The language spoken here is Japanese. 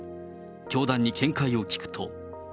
教団に見解を聞くと。